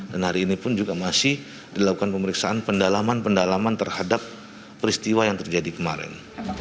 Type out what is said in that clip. dan hari ini pun juga masih dilakukan pemeriksaan pendalaman pendalaman terhadap peristiwa yang terjadi kemarin